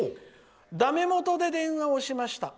だめもとで電話をしました。